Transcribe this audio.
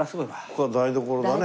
ここは台所だね。